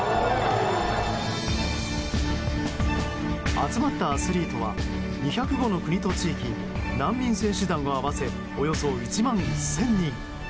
集まったアスリートは２０５の国と地域難民選手団を合わせおよそ１万１０００人。